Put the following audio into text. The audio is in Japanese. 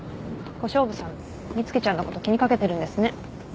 小勝負さん美月ちゃんのこと気に掛けてるんですね。